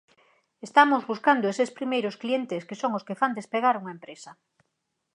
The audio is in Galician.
Estamos buscando eses primeiros clientes que son os que fan despegar unha empresa.